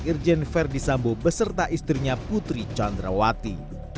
irjen verdi sambo beserta istrinya putri candrawati